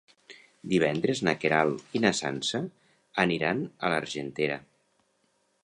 Divendres na Queralt i na Sança aniran a l'Argentera.